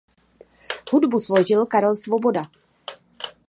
Hudbu složil Karel Svoboda.